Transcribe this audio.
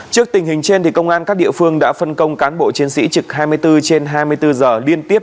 trước tình hình trên công an các địa phương đã phân công cán bộ chiến sĩ trực hai mươi bốn trên hai mươi bốn giờ liên tiếp